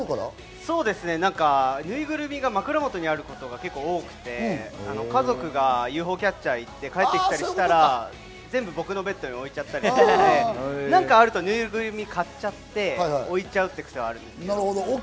ぬいぐるみが枕元にあることが多くて、家族がＵＦＯキャッチャーに行って、帰ってきたりしたら、全部僕のベッドに置いちゃったりしていたので、何かあるとぬいぐるみ買っちゃって、置いちゃう癖があるんです。